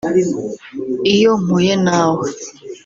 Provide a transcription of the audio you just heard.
“Iyo mpuye na we